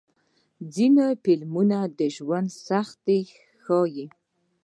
ځینې فلمونه د ژوند سختۍ ښيي.